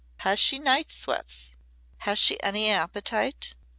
Has she night sweats? Has she any appetite?"